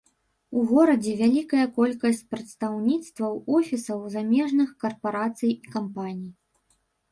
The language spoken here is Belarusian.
У горадзе вялікая колькасць прадстаўніцтваў офісаў замежных карпарацый і кампаній.